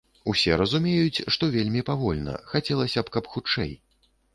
Усе разумеюць, што вельмі павольна, хацелася б, каб хутчэй.